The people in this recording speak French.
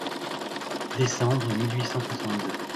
Décembre mille huit cent soixante-deux.